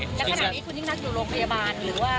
แล้วขนาดนี้คุณยังอยู่โรงพยาบาลหรือว่า